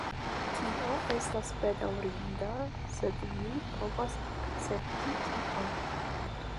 Tio estas bedaŭrinda, sed mi povas akcepti tion.